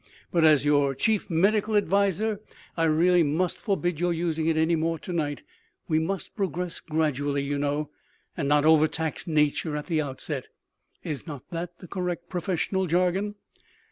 But, as your chief medical adviser, I really must forbid your using it any more to night; we must progress gradually, you know, and not overtax nature at the outset (is not that the correct professional jargon?)